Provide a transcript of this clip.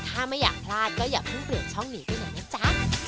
ถ้าไม่อยากพลาดก็อย่าเพิ่งเปลี่ยนช่องหนีไปไหนนะจ๊ะ